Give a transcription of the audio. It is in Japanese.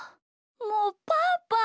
もうパパ！